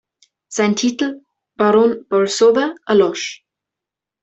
Sein Titel "Baron Bolsover" erlosch.